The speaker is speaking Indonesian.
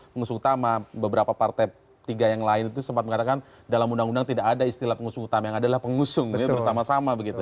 pengusung utama beberapa partai tiga yang lain itu sempat mengatakan dalam undang undang tidak ada istilah pengusung utama yang adalah pengusung bersama sama begitu